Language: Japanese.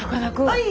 はい！